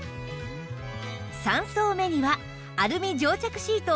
３層目にはアルミ蒸着シートを採用